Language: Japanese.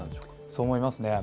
そう思いますね。